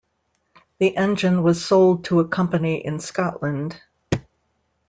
The engine was sold to a company in Scotland.